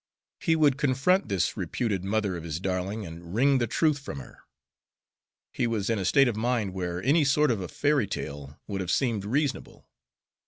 He would confront this reputed mother of his darling and wring the truth from her. He was in a state of mind where any sort of a fairy tale would have seemed reasonable.